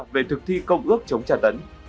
về thực thi công ước chống tra tấn